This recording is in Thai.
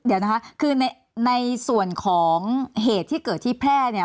เดี๋ยวนะคะคือในส่วนของเหตุที่เกิดที่แพร่เนี่ย